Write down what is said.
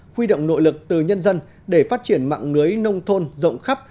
huy động nội lực từ nhân dân để phát triển mạng lưới nông thôn rộng khắp